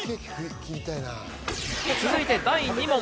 続いて第２問。